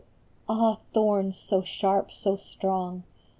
Ah, thorns so sharp, so strong